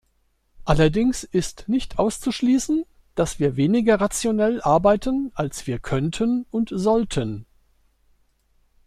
Allerdings ist nicht auszuschließen, dass wir weniger rationell arbeiten als wir könnten und sollten.